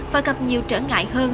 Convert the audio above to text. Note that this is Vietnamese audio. và gặp nhiều trở ngại hơn